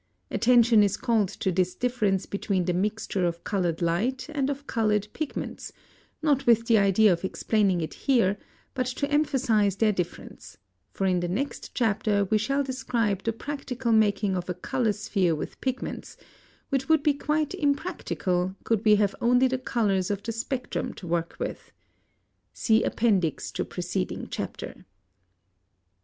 Attention is called to this difference between the mixture of colored light and of colored pigments, not with the idea of explaining it here, but to emphasize their difference; for in the next chapter we shall describe the practical making of a color sphere with pigments, which would be quite impractical, could we have only the colors of the spectrum to work with. See Appendix to preceding chapter.